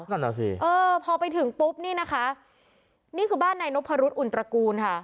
นั่นน่ะสิเออพอไปถึงปุ๊บนี่นะคะนี่คือบ้านนายนพรุษอุ่นตระกูลค่ะ